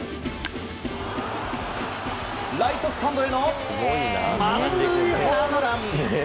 ライトスタンドへの満塁ホームラン！